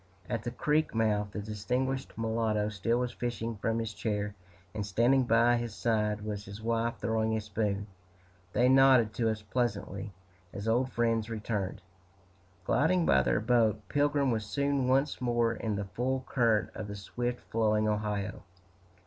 At the creek mouth, the distinguished mulatto still was fishing from his chair, and standing by his side was his wife throwing a spoon. They nodded to us pleasantly, as old friends returned. Gliding by their boat, Pilgrim was soon once more in the full current of the swift flowing Ohio.